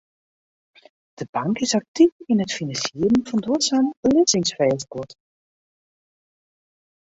De bank is aktyf yn it finansierjen fan duorsum belizzingsfêstguod.